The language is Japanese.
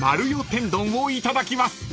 天丼をいただきます］